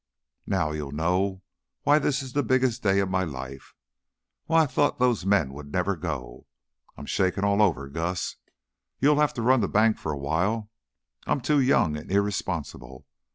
"Now you'll know why this is the biggest day of my life; why I thought those men would never go. I'm shaking all over, Gus. You'll have to run the bank for a while; I'm too young and irresponsible.